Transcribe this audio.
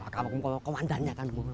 kalau aku mau kewandanya kan